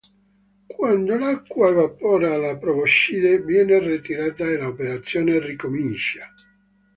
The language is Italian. Quando l'acqua evapora la proboscide viene ritirata e l'operazione ricomincia.